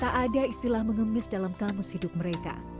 tak ada istilah mengemis dalam kamus hidup mereka